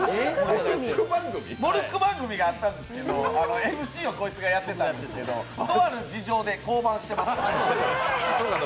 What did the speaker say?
モルック番組があったんですけど、こいつがＭＣをやってたんですけど、とある事情で降板しております。